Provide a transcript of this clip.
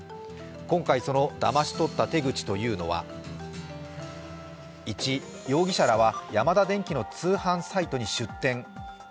今回、そのだまし取った手口というのが１、容疑者らはヤマダデンキの通販サイトに出店。